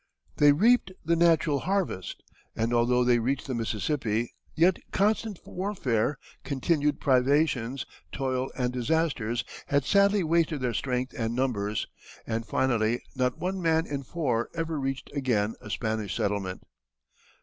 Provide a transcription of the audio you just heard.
They reaped the natural harvest, and although they reached the Mississippi, yet constant warfare, continued privations, toil, and disasters had sadly wasted their strength and numbers, and finally not one man in four ever reached again a Spanish settlement.